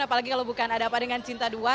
apalagi kalau bukan ada apa dengan cinta dua